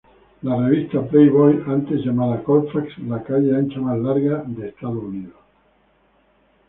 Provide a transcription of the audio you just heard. La revista "Playboy" antes llamada Colfax "la calle ancha más larga en Estados Unidos".